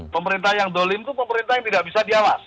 pemerintah yang dolim itu pemerintah yang tidak bisa diawasi